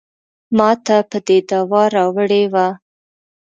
ماته به دې دوا راوړې وه.